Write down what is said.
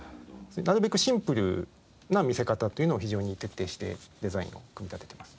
なるべくシンプルな見せ方というのを非常に徹底してデザインを組み立ててます。